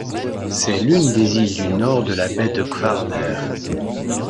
C'est l'une des îles du nord de la baie de Kvarner.